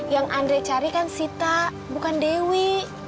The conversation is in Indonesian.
yang andre cari kan sita bukan dewi